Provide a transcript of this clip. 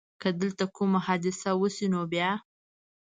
که دلته کومه حادثه وشي نو بیا؟